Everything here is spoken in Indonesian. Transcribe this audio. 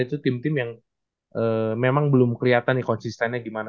itu tim tim yang memang belum keliatan konsistennya gimana